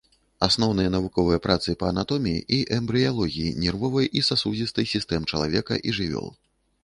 Асноўныя навуковыя працы па анатоміі і эмбрыялогіі нервовай і сасудзістай сістэм чалавека і жывёл.